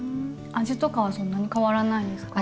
味とかはそんなに変わらないんですか？